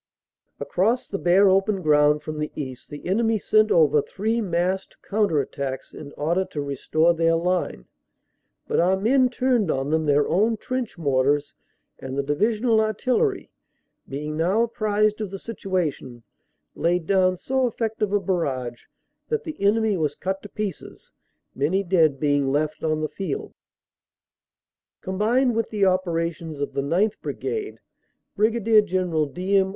Across the bare open ground from the east the enemy sent over three massed counter attacks in order to restore their line, but our men turned on them their own trench mortars, and the divisional artillery, being now apprised of the situa tion, laid down so effective a barrage that the enemy was cut to pieces, many dead being left on the field. Combined with the operations of the 9th. Brigade, Brig. General D. M.